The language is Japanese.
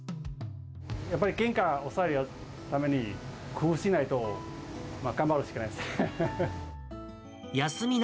やっぱり原価を抑えるために、工夫しないと、頑張るしかないですね。